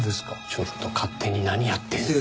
ちょっと勝手に何やってるんですか？